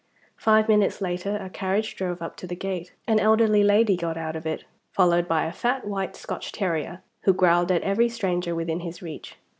Five minutes later, a carriage drove up to the gate. An elderly lady got out of it, followed by a fat white Scotch terrier, who growled at every stranger within his reach.